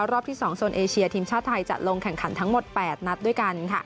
รอบที่๒โซนเอเชียทีมชาติไทยจะลงแข่งขันทั้งหมด๘นัดด้วยกัน